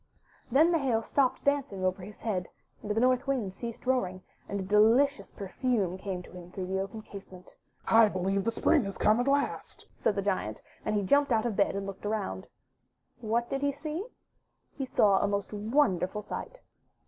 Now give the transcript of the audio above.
Then the Hail stopped dancing over his head, and the North Wind ceased roaring, and a delicious per fume came to him through the open casement. *'I believe the Spring has come at last, said the Giant; and he jumped out of bed and looked out. What did he see? He saw a most wonderful sight.